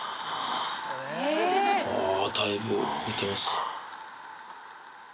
あー、だいぶ寝てます。